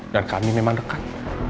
dan kami memang dekat